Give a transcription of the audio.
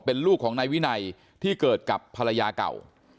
เป็นลูกของนายวินัยที่เกิดกับภรรยาเก่า